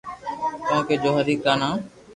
ڪونڪھ جو ھري ڪا نام